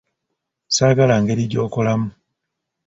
Saagala ngeri gy'okolamu.